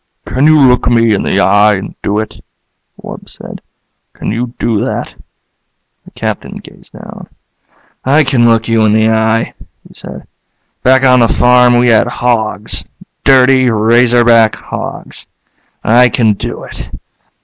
"Can you look me in the eye and do it?" the wub said. "Can you do that?" The Captain gazed down. "I can look you in the eye," he said. "Back on the farm we had hogs, dirty razor back hogs. I can do it."